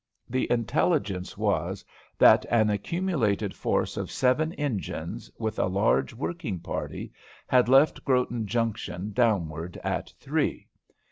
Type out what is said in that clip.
The intelligence was, that an accumulated force of seven engines, with a large working party, had left Groton Junction downward at three.